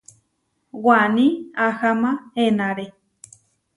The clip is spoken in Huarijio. Waní aháma enáre.